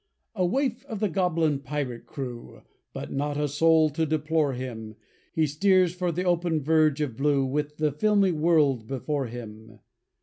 A waif of the goblin pirate crew, With not a soul to deplore him, He steers for the open verge of blue With the filmy world before him.